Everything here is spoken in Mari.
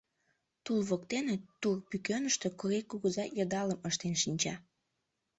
Тул воктене тур пӱкеныште Корий кугыза йыдалым ыштен шинча.